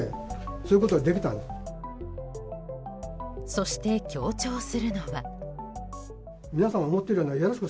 そして、強調するのは。